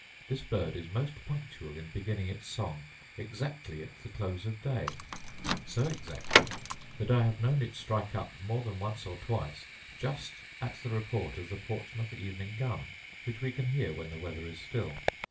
This bird is most punctual in beginning its song exactly at the close of day; so exactly that I have known it strike up more than once or twice just at the report of the Portsmouth evening gun, which we can hear when the weather is still.